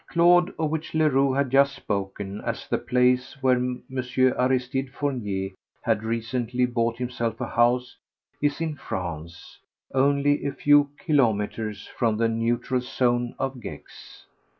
Claude, of which Leroux had just spoken as the place where M. Aristide Fournier had recently bought himself a house, is in France, only a few kilometres from the neutral zone of Gex.